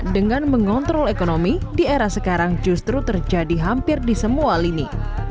dengan mengontrol ekonomi di era sekarang justru terjadi hampir di semua lini